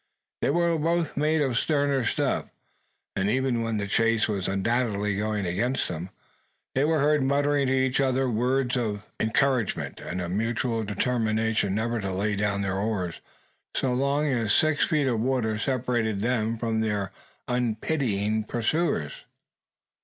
They were both made of sterner stuff, and even when the chase was undoubtedly going against them, they were heard muttering to each other words of encouragement, and a mutual determination never to lay down their oars, so long as six feet of water separated them from their unpitying pursuers.